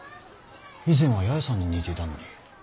以前は八重さんに似てたのに。